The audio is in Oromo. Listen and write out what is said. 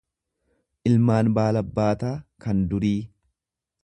ilmaanbaalabbaataa kan durii.